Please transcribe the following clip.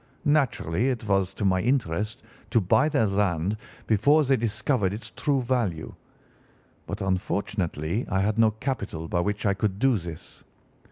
Naturally, it was to my interest to buy their land before they discovered its true value, but unfortunately I had no capital by which I could do this.